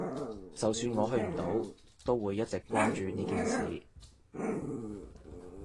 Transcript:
就算我去唔到，都會一直關注呢件事